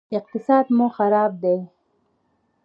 اقتصاد مو خراب دی